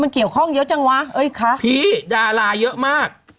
มันเกี่ยวข้องเยอะจังวะพี่ด่ารายเยอะมาก